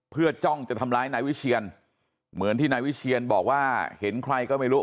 เพื่อจ้องจะทำร้ายนายวิเชียนเหมือนที่นายวิเชียนบอกว่าเห็นใครก็ไม่รู้